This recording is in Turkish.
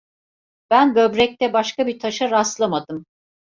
Ben böbrekte başka bir taşa rastlamadım.